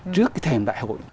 trước cái thềm đại hội